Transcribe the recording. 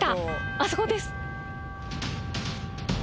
あそこです。